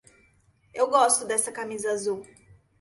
Eu gosto dessa camisa azul.